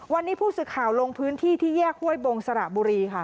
วันนี้ผู้สื่อข่าวลงพื้นที่ที่แยกห้วยบงสระบุรีค่ะ